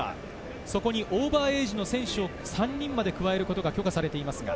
そこにオーバーエイジの選手を３人まで加えることが許可されています。